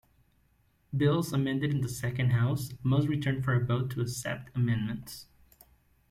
Bills amended in the second house, must return for a vote to accept amendments.